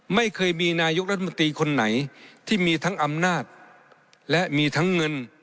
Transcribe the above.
ไม่เคยมีนายกรัฐมนตรีคนไหนที่มีทั้งอำนาจและมีทั้งเงิน